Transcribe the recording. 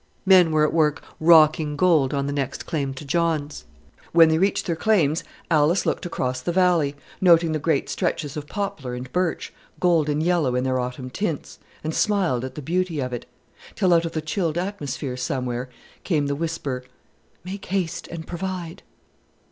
Men were at work, "rocking" gold on the next claim to John's. When they reached their claims Alice looked across the valley, noting the great stretches of poplar and birch, golden yellow in their autumn tints, and smiled at the beauty of it till out of the chilled atmosphere somewhere came the whisper, "Make haste and provide."